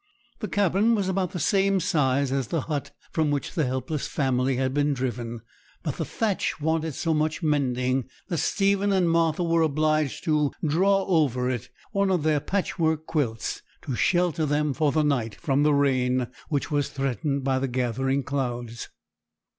The cabin was about the same size as the hut from which the helpless family had been driven; but the thatch wanted so much mending that Stephen and Martha were obliged to draw over it one of their patchwork quilts, to shelter them for the night from the rain which was threatened by the gathering clouds.